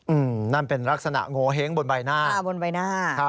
อื้มนั่นเป็นลักษณะโงเห้งบนใบหน้า